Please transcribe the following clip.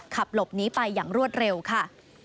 ขับหลบหนีไปอย่างรวดเร็วค่ะ